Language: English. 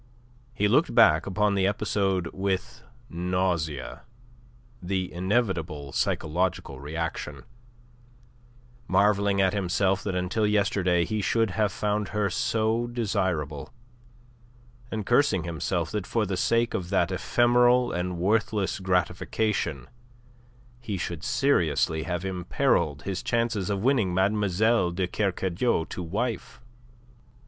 He looked back upon the episode with nausea the inevitable psychological reaction marvelling at himself that until yesterday he should have found her so desirable, and cursing himself that for the sake of that ephemeral and worthless gratification he should seriously have imperilled his chances of winning Mademoiselle de Kercadiou to wife.